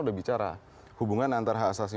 udah bicara hubungan antara hak asasi